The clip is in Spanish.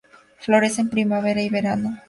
Florece en primavera y verano.